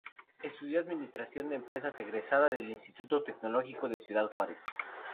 Estudió Administración de Empresas egresada del Instituto Tecnológico de Ciudad Juárez.